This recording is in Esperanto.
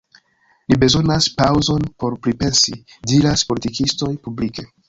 Ni bezonas paŭzon por pripensi, — diras politikistoj publike.